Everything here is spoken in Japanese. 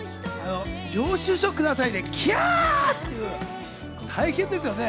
「領収書ください」で「キャ！」っていう、大変ですよね。